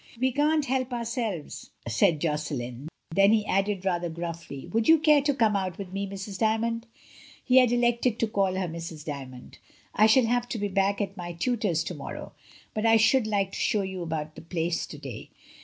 "We can't help ourselves," said Josselin. Then JOSSELIN^S STEPMOTHER. 237 he added rather gruffly, "Would you care to come out with me, Mrs. Dymond?" (He had elected to call her Mrs. D)anond.) "I shall have to be back at my tutor's to morrow, but I should like to show you about the Place to day.